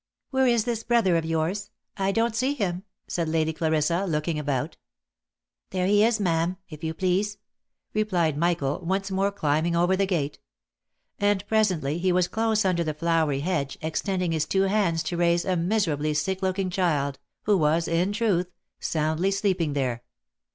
" Where is this brother of yours ?— I don't see him/' said Lady Clarissa, looking about. " There he is, ma'am, if you please," replied Michael, once more climbing over the gate ; and presently he was close under the flowery hedge, extending his two hands to raise a miserably sick looking child, who was, in truth, soundly sleeping there.